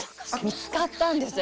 見つかったんです。